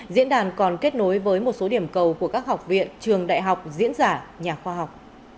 diễn đàn còn kết nối với một số điểm cầu của các học viện trường đại học diễn giả nhà khoa học